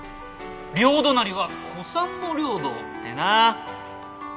両隣は古参の領土！ってな。